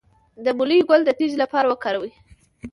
د مولی ګل د تیږې لپاره وکاروئ